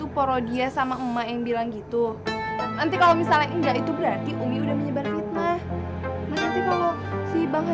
jadi bener mak ngomong begitu iya begitu pokoknya